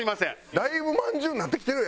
だいぶまんじゅうになってきてるよ